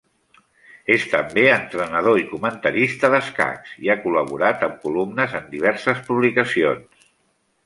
És també entrenador i comentarista d'escacs, i ha col·laborat amb columnes en diverses publicacions.